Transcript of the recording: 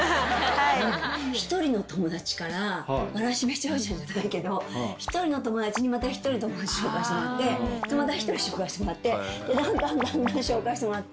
１人の友達から『わらしべ長者』じゃないけど１人の友達にまた１人友達紹介してもらってまた１人紹介してもらってでだんだんだんだん紹介してもらって。